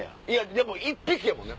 でも１匹やもんね